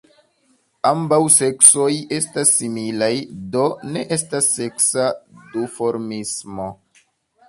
Ambaŭ seksoj estas similaj, do ne estas seksa duformismo.